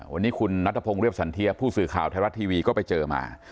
วันนี้คุณนัทพงศ์เรียบสันเทียผู้สื่อข่าวไทยรัฐทีวีก็ไปเจอมา